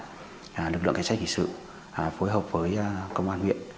đã chỉ đạo lực lượng kế sách hình sự phối hợp với công an huyện